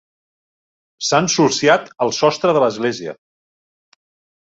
S'ha ensulsiat el sostre de l'església.